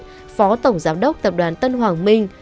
giáo tổng giám đốc tập đoàn tân hoàng minh